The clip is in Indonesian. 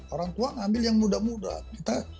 orang tua ngambil yang muda muda